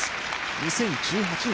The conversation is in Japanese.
２０１８年。